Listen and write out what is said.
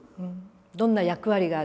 どんな役割がある？